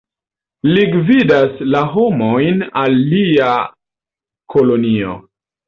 Li gvidas la homojn al lia kolonio.